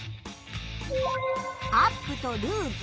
アップとルーズ。